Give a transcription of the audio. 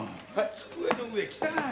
机の上汚い！